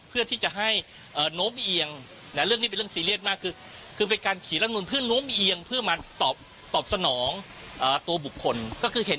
เพราะฉะนั้นพลเด็กประยุทธโดยรวมแล้ว